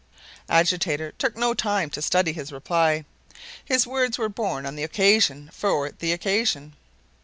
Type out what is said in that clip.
Agitator took no time to study his reply. His words were born on the occasion for the occasion.